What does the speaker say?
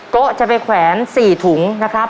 โต๊ะจะไปแขวน๔ถุงนะครับ